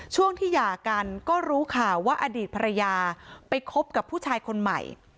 ช่วงที่หย่ากันก็รู้ข่าวว่าอดีตภรรยาไปคบกับผู้ชายคนใหม่